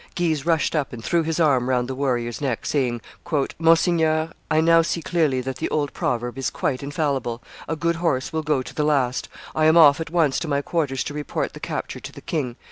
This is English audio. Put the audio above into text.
Guise rushed up and threw his arm round the warrior's neck, saying, "Monseigneur, I now see clearly that the old proverb is quite infallible: 'A good horse will go to the last.' I am off at once to my quarters to report the capture to the king.